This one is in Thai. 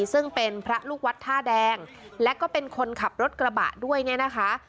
ซึ่งเป็นพระลูกวัดท่าแดงและก็เป็นคนขับรถกระบะด้วยเนี่ยนะคะ